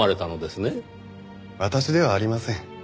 私ではありません。